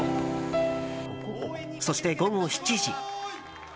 そして、午後７時。